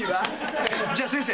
じゃあ先生